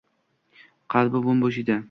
Qalbi bo`m-bo`sh edi